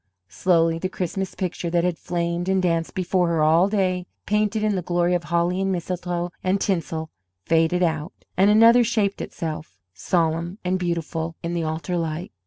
Slowly the Christmas picture that had flamed and danced before her all day, painted in the glory of holly and mistletoe and tinsel, faded out, and another shaped itself, solemn and beautiful in the altar light.